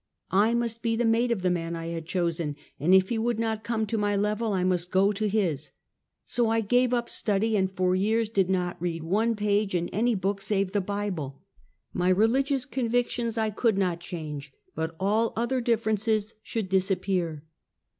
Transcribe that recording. I must be the mate of the man I had chosen ; and if he would not come to my level, I must go to his. So I gave up study, and for years did not read one page in any book save the Bible. My religious convictions I could not change, but all other difierences should disappear.